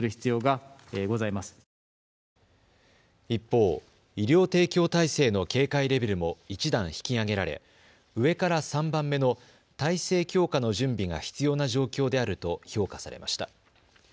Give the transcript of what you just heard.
一方、医療提供体制の警戒レベルも１段引き上げられ上から３番目の体制強化の準備が必要な状況であると評価されました。